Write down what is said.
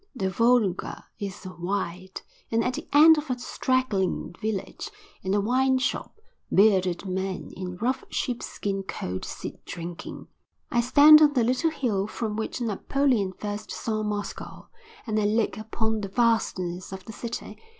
The Volga is wide, and at the end of a straggling village, in the wine shop, bearded men in rough sheepskin coats sit drinking. I stand on the little hill from which Napoleon first saw Moscow and I look upon the vastness of the city.